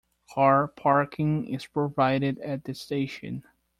Car parking is provided at the station.